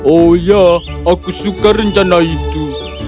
oh ya aku suka rencana itu